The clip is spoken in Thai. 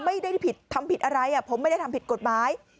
ไม่ได้ผิดทำผิดอะไรผมไม่ได้ทำผิดกฎหมาย